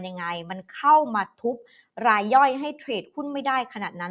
ยังไงมันเข้ามาทุบรายย่อยให้เทรดหุ้นไม่ได้ขนาดนั้น